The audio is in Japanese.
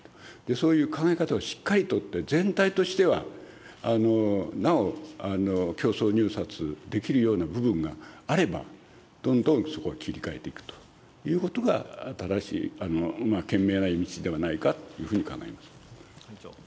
そういう考え方をしっかり取って、全体としては、なお競争入札できるような部分があれば、どんどんそこは切り替えていくということが、正しい賢明な道ではないかというふうに考えます。